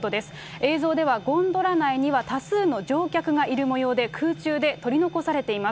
映像ではゴンドラ内には多数の乗客がいるもようで空中で取り残されています。